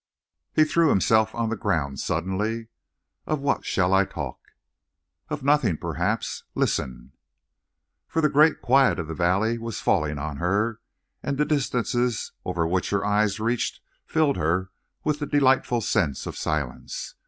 He threw himself on the ground sullenly. "Of what shall I talk?" "Of nothing, perhaps. Listen!" For the great quiet of the valley was falling on her, and the distances over which her eyes reached filled her with the delightful sense of silence.